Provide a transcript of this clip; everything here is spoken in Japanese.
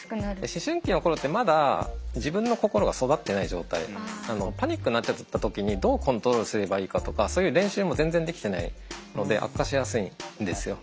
思春期の頃ってまだ自分の心が育ってない状態なのでパニックになっちゃった時にどうコントロールすればいいかとかそういう練習も全然できてないので悪化しやすいんですよ。